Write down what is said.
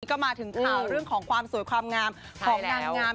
ก็มาถึงข่าวเรื่องของความสวยความงามของนางงาม